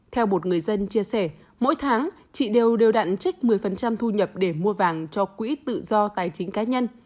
theo một người dân chia sẻ mỗi tháng chị đều đều đặn trích một mươi thu nhập để mua vàng cho quỹ tự do tài chính cá nhân